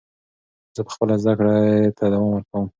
زه به خپلې زده کړې ته دوام ورکړم.